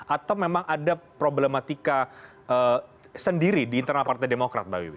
atau memang ada problematika sendiri di internal partai demokrat mbak wiwi